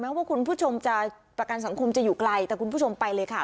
ว่าคุณผู้ชมจะประกันสังคมจะอยู่ไกลแต่คุณผู้ชมไปเลยค่ะ